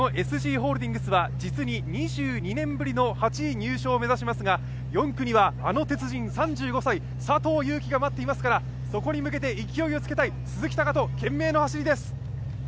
ＳＧホールディングスは実に２２年ぶりの８位入賞を目指しますが、４区にはあの鉄人、３５歳、佐藤悠基が待っていますから、そこに向けて勢いをつけたい鈴木塁人、懸命な走りです。